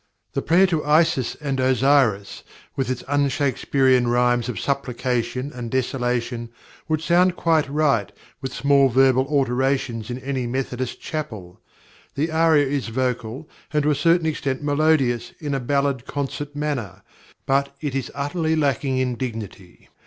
The prayer to Isis and Osiris, with its un Shakespearian rhymes of "supplication" and "desolation," would sound quite right with small verbal alterations in any Methodist chapel. The aria is vocal and to a certain extent melodious in a "ballad concert" manner, but it is utterly lacking in dignity.